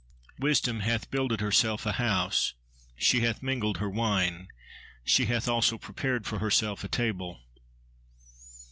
"Wisdom hath builded herself a house: she hath mingled her wine: she hath also prepared for herself a table."